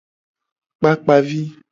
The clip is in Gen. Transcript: Kpakpa vi.